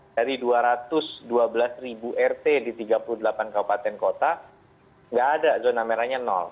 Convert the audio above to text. dari dua ratus dua belas ribu rt di tiga puluh delapan kabupaten kota nggak ada zona merahnya